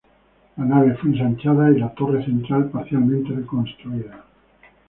La nave fue ensanchada y la torre central parcialmente reconstruida.